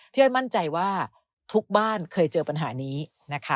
อ้อยมั่นใจว่าทุกบ้านเคยเจอปัญหานี้นะคะ